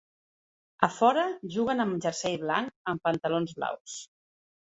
A fora juguen amb jersei blanc amb pantalons blaus.